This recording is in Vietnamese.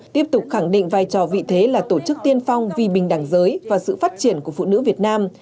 tiếp tục khẳng định vai trò vị thế là tổ chức tiên phong vì bình đẳng giới và sự phát triển của phụ nữ việt nam